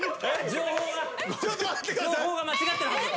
情報が間違ってるはず。